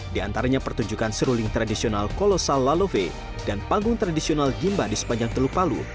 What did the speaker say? di antaranya pertunjukan seruling tradisional kolosal lalove dan panggung tradisional gimba di sepanjang teluk palu